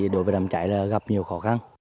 đối với đám cháy là gặp nhiều khó khăn